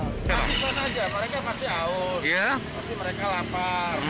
tapi suara aja mereka pasti haus pasti mereka lapar